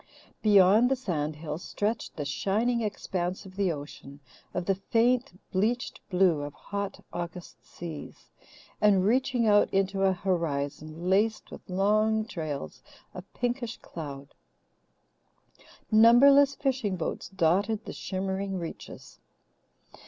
Beyond the sand hills stretched the shining expanse of the ocean, of the faint, bleached blue of hot August seas, and reaching out into a horizon laced with long trails of pinkish cloud. Numberless fishing boats dotted the shimmering reaches.